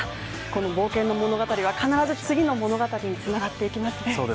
この冒険の物語は必ず次の物語につながっていきますね。